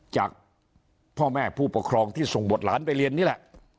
จากพ่อแม่ผู้ปกครองที่ส่งบทหลานไปเรียนนี่แหละ